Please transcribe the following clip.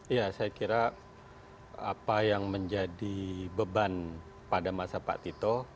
ya saya kira apa yang menjadi beban pada masa pak tito